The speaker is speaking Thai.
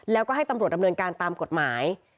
แล้วก็ให้ตำรวจดำเนินการตามกฎหมาย